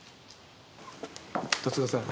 十津川さん